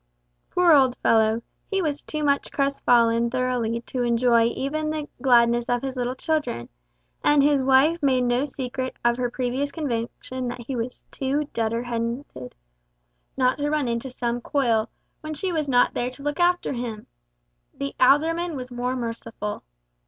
Poor old fellow, he was too much crest fallen thoroughly to enjoy even the gladness of his little children; and his wife made no secret of her previous conviction that he was too dunderheaded not to run into some coil, when she was not there to look after him. The alderman was more merciful.